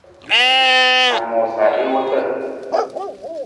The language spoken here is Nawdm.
A moosa i wota.